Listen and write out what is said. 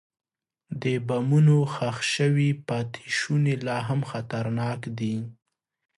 د بمونو ښخ شوي پاتې شوني لا هم خطرناک دي.